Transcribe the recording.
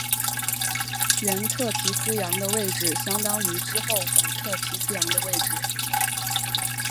原特提斯洋的位置相当于之后古特提斯洋的位置。